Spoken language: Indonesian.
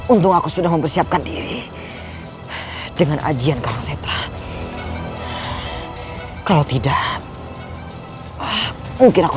untung aku sudah mempersiapkan diri dengan ajian karangsetlah kalau tidak mungkin aku